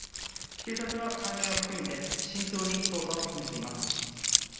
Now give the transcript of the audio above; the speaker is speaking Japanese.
警察は関連を含めて慎重に捜査を進めています。